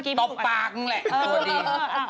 ตกปากนั่นแหละโทษดี